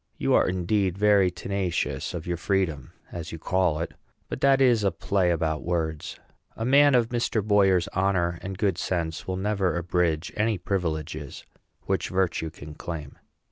You are indeed very tenacious of your freedom, as you call it; but that is a play about words. A man of Mr. Boyer's honor and good sense will never abridge any privileges which virtue can claim.